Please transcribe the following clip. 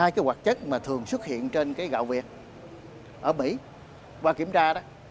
một mươi hai cái hoạt chất mà thường xuất hiện trên cái gạo việt ở mỹ qua kiểm tra đó